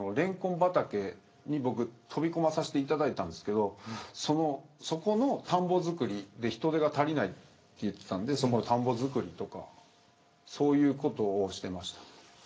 レンコン畑に僕、飛び込まさせていただいたんですけれどそこの田んぼ作りで人手が足りないと言っていたのでそこの田んぼ作りとかそういうことをしていました。